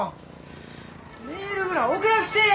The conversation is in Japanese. メールぐらい送らしてえや！